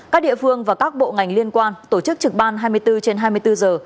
các địa phương và các bộ ngành liên quan tổ chức trực ban hai mươi bốn trên hai mươi bốn giờ